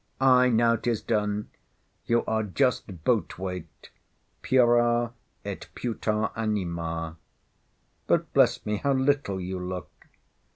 Aye, now 'tis done. You are just boat weight; pura et puta anima. But bless me, how little you look!